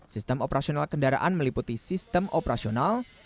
sistem operasional kendaraan meliputi sistem operasional